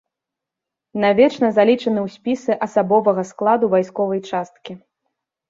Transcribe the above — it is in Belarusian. Навечна залічаны ў спісы асабовага складу вайсковай часткі.